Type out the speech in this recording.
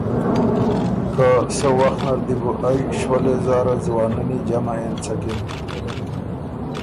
که سۀ وخت نر دی بو ائ شؤلېس زاره ځوانني جمع اېنڅکِن